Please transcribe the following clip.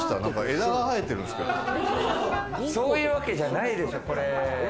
枝がそういうわけじゃないでしょ。